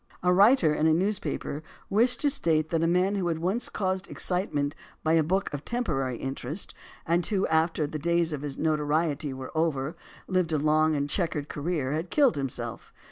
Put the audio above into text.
A writer in a newspaper wished to state that a man who had once caused excitement by a book of temporary interest and who, after the days of his notoriety were over, lived a long and checkered career, had killed himself.